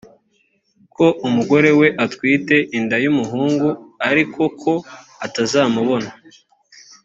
ko umugore we atwite inda y umuhungu ariko ko atazamubona